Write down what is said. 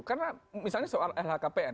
karena misalnya soal lhkpn